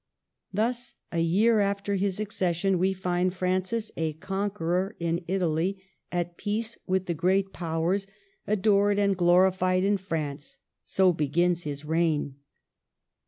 Thus, a year after his accession, we find Francis a conqueror in Italy, at peace with the 38 MARGARET OF ANGOULEME. Great Powers, adored and glorified in France; so begins his reign.